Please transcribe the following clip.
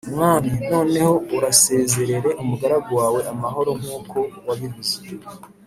, “Mwami, noneho urasezerere umugaragu wawe amahoro, nk’uko wabivuze: